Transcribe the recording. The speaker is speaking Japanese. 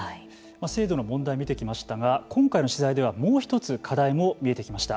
制度の問題を見てきましたが今回の取材では、もう一つ課題も見えてきました。